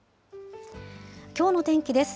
きょうの天気です。